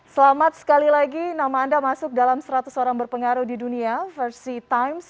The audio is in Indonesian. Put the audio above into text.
selamat sekali lagi nama anda masuk dalam seratus orang berpengaruh di dunia versi times